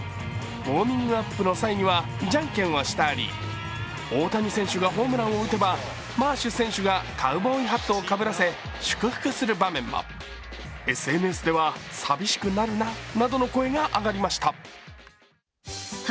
ウオーミングアップの際にはじゃんけんをしたり、大谷選手がホームランを打てばマーシュ選手がカウボーイハットをかぶらせ祝福する場面もＳＮＳでは、寂しくなるななどの声が上がりました。